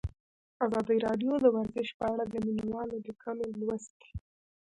ازادي راډیو د ورزش په اړه د مینه والو لیکونه لوستي.